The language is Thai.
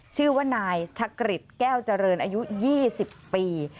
ชื่อว่านายชะกริจแก้วเจริญอายุ๒๐ปี